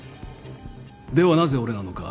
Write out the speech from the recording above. ではなぜ俺なのか。